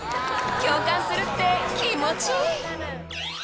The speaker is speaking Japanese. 共感するって気持ちいい！